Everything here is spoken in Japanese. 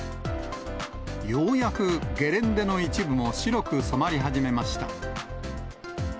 ようやく、ゲレンデの一部も白く染まり始めました。